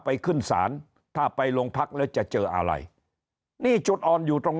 ไปขึ้นศาลถ้าไปโรงพักแล้วจะเจออะไรนี่จุดอ่อนอยู่ตรง